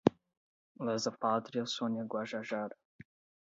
Lesa-pátria, Sônia Guajajara